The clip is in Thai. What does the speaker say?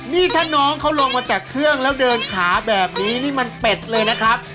นี่ถ้าน้องเขาลงมาจากเครื่องแล้วเดินขาแบบนี้นี่มันเป็ดเลยนะครับ